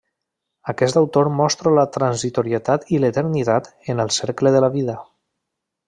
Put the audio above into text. Aquest autor mostra la transitorietat i l'eternitat en el cercle de la vida.